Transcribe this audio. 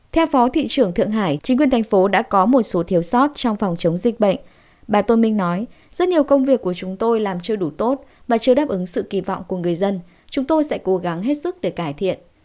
theo phó thị trưởng thượng hải chính quyền thành phố đã có một số thiếu sót trong phòng chống dịch bệnh bà tôn minh nói rất nhiều công việc của chúng tôi làm chưa đủ tốt và chưa đáp ứng sự kỳ vọng của người dân chúng tôi sẽ cố gắng hết sức để cải thiện